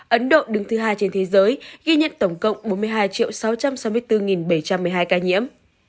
ấn độ đứng thứ hai trên thế giới ghi nhận tổng cộng bốn mươi hai sáu trăm sáu mươi bốn bảy trăm một mươi hai ca nhiễm